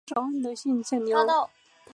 德寿县是越南河静省下辖的一个县。